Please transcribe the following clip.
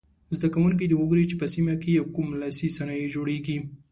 زده کوونکي دې وګوري چې په سیمه کې یې کوم لاسي صنایع جوړیږي.